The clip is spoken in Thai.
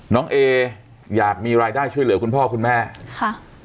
น้องเออยากมีรายได้ช่วยเหลือคุณพ่อคุณแม่ค่ะ